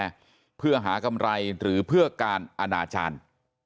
เพื่อหากำไรหรือเพื่อการอนาจารย์